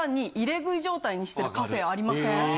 ありません？